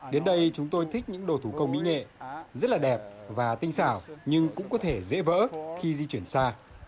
đến đây chúng tôi thích những đồ thủ công mỹ nghệ rất là đẹp và tinh xảo nhưng cũng có thể dễ vỡ khi di chuyển xa